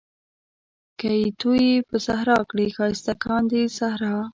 که يې تويې په صحرا کړې ښايسته کاندي صحرا